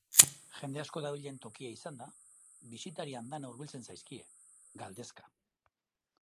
Jende asko dabilen tokia izanda, bisitari andana hurbiltzen zaizkie, galdezka.